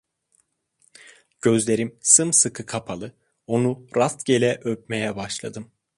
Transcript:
Gözlerim sımsıkı kapalı, onu rastgele öpmeye başladım.